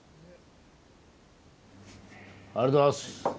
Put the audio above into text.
ありがとうございます。